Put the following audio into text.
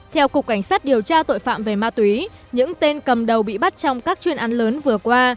theo cục cảnh sát điều tra tội phạm về ma túy những tên cầm đầu bị bắt trong các chuyên án lớn vừa qua